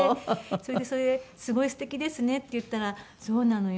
それで「すごいすてきですね」って言ったら「そうなのよ。